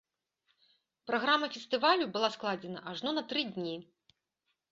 Праграма фестывалю была складзена ажно на тры дні.